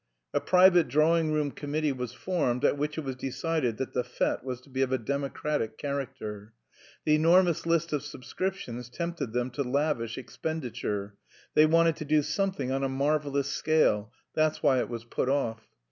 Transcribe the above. A private drawing room committee was formed, at which it was decided that the fête was to be of a democratic character. The enormous list of subscriptions tempted them to lavish expenditure. They wanted to do something on a marvellous scale that's why it was put off.